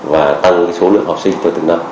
và tăng số lượng học sinh từ từ năm